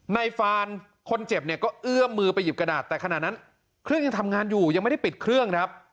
ฟานคนเจ็บเนี่ยก็เอื้อมมือไปหยิบกระดาษแต่ขณะนั้นเครื่องยังทำงานอยู่ยังไม่ได้ปิดเครื่องครับ